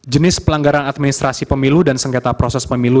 jenis pelanggaran administrasi pemilu dan sengketa proses pemilu